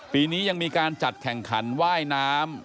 ปีนี้ยังมีการจัดแข่งขันว่ายน้ำ